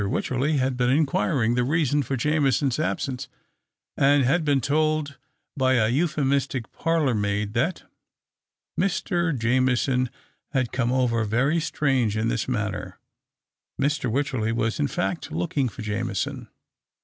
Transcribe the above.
Wycherley had been inquiring the reason for Jameson's al)sence, and had been told by a euphemistic parlour maid that "Mr. Jameson had come over very strange in his manner." Mr. Wycherley was, in fact, looking for Jameson.